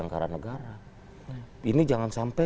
mereka ras bewekasinya